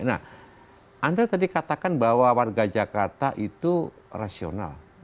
nah anda tadi katakan bahwa warga jakarta itu rasional